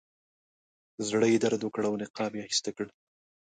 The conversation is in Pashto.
زړه یې درد وکړ او نقاب یې ایسته کړ.